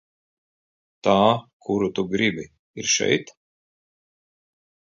Tā kuru tu gribi, ir šeit?